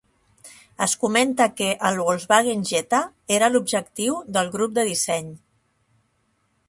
Es comenta que el Volkswagen Jetta era l'objectiu del grup de disseny.